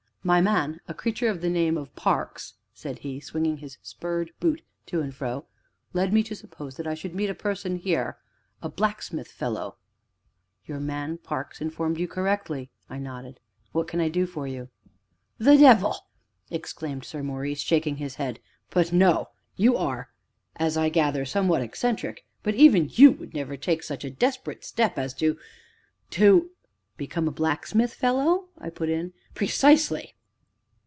"My man, a creature of the name of Parks," said he, swinging his spurred boot to and fro, "led me to suppose that I should meet a person here a blacksmith fellow " "Your man Parks informed you correctly," I nodded; "what can I do for you?" "The devil!" exclaimed Sir Maurice, shaking his head; "but no you are, as I gather, somewhat eccentric, but even you would never take such a desperate step as to to "" become a blacksmith fellow?" I put in. "Precisely!"